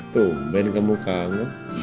tuh ben kamu kangen